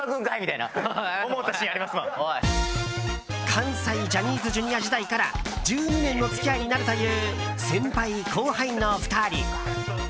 関西ジャニーズＪｒ．時代から１２年の付き合いになるという先輩後輩の２人。